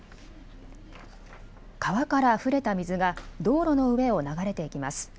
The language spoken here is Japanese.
川からあふれた水が道路の上を流れていきます。